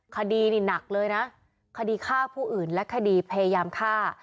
คดีนี่หนักเลยนะคดีฆ่าผู้อื่นและคดีพยายามฆ่า